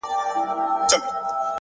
د زړه پاکوالی د فکر صفا زیاتوي.